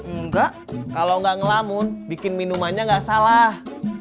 enggak kalau nggak ngelamun bikin minumannya nggak salah